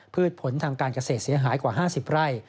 ผลทางการเกษตรเสียหายกว่า๕๐ไร่